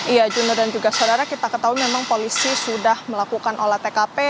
iya juno dan juga saudara kita ketahui memang polisi sudah melakukan olah tkp